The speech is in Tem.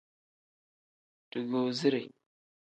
Dugusire.